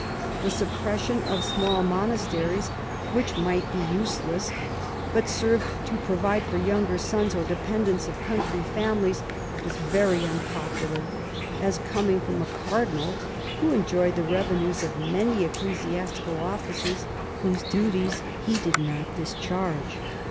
The suppression of small monasteries, which VIII WOLSEY'S DOMESTIC POLICY 149 might be useless but served to provide for younger sons or dependants of country families, was very unpopular, as coming from a cardinal who enjoyed the revenues of many ecclesiastical offices whose duties he did not dis charge.